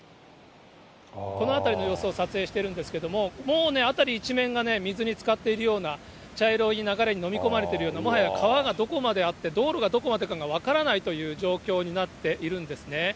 この辺りの様子を撮影しているんですけれども、もうね、辺り一面がね、水につかっているような、茶色い流れに飲み込まれてるような、もはや川がどこまであって、道路がどこまでかが分からないという状況になっているんですね。